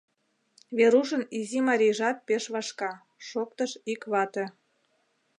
— Верушын изи марийжат пеш вашка, — шоктыш ик вате.